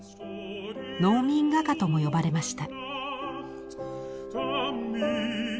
「農民画家」とも呼ばれました。